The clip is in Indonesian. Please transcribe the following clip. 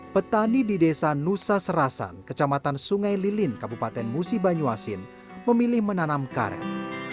petani di desa nusa serasan kecamatan sungai lilin kabupaten musi banyuasin memilih menanam karet